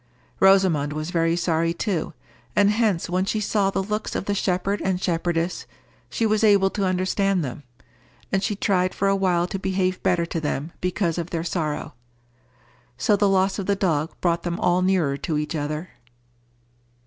Rosamond was very sorry too, and hence when she saw the looks of the shepherd and shepherdess, she was able to understand them. And she tried for a while to behave better to them because of their sorrow. So the loss of the dog brought them all nearer to each other.